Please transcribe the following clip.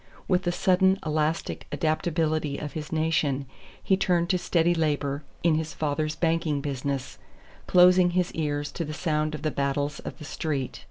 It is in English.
With the sudden, elastic adaptability of his nation he turned to steady labor in his father's banking business, closing his ears to the sound of the battles of the Street.